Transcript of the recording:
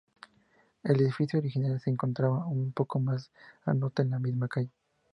El edificio original se encontraba un poco más al norte, en la misma calle.